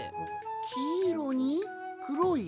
きいろにくろいてん？